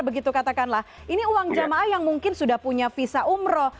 begitu katakanlah ini uang jamaah yang mungkin sudah punya visa umroh